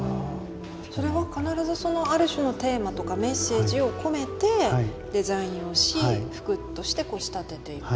それは必ずある種のテーマとかメッセージを込めてデザインをし服としてこう仕立てていく？